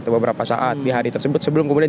beberapa saat di hari tersebut sebelum kemudian